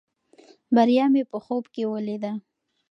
بریا مې په خوب کې ولیده.